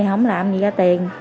không làm gì ra tiền